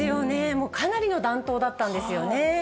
もうかなりの暖冬だったんですよね。